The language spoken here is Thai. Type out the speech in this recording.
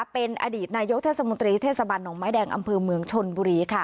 เป็นอดีตนายกเทศมนตรีเทศบาลหนองไม้แดงอำเภอเมืองชนบุรี